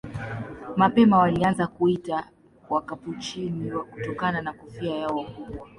Mapema walianza kuitwa Wakapuchini kutokana na kofia yao kubwa.